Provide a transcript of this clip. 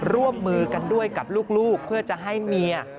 ร่วมมือกันด้วยกับลูกเพื่อจะให้เมีย